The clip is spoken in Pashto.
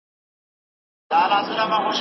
کله کله انسان د څو خيرونو په منځ کي حيران سي.